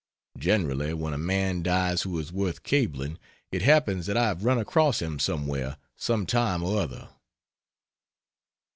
Generally when a man dies who is worth cabling, it happens that I have run across him somewhere, some time or other.